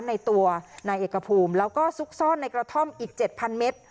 ในตัวนายเอกภูมิแล้วก็ซุกซ่อนในกระท่อมอีก๗๐๐เมตร